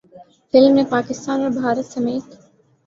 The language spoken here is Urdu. فلم نے پاکستان اور بھارت سمیت